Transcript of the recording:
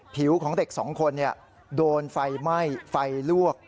ผิวของเด็กสองคนโดนไฟไหม้ไฟลวก